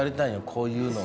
こういうのを。